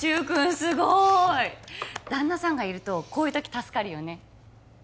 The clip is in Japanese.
すごい旦那さんがいるとこういうとき助かるよね